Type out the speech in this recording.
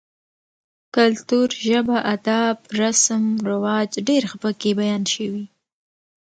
کلتور, ژبه ، اداب، رسم رواج ډېر ښه پکې بيان شوي